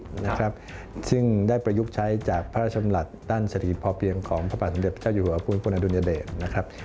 เป็นหลักคิดนะครับซึ่งได้ประยุกต์ใช้จากพระราชมหลัดด้านเศรษฐกิจพอเพียงของพระบาทสำเร็จพระเจ้าอยู่หัวพุทธปุณฑ์อดุลยเดชนะครับ